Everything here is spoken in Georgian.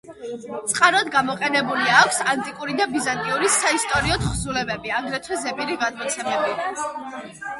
წყაროდ გამოყენებული აქვს ანტიკური და ბიზანტიური საისტორიო თხზულებები, აგრეთვე ზეპირი გადმოცემები.